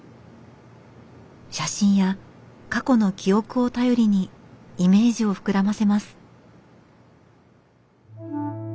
写真や過去の記憶を頼りにイメージを膨らませます。